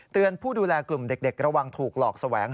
ผู้ดูแลกลุ่มเด็กระวังถูกหลอกแสวง